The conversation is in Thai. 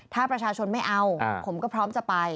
ถ้าประชาชนไม่เอาผมก็พร้อมจะไป